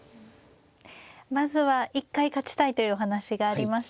まずは一回勝ちたいというお話がありましたね。